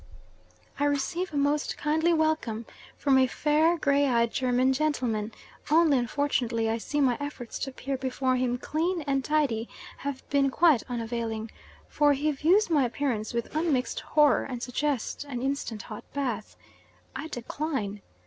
I receive a most kindly welcome from a fair, grey eyed German gentleman, only unfortunately I see my efforts to appear before him clean and tidy have been quite unavailing, for he views my appearance with unmixed horror, and suggests an instant hot bath. I decline.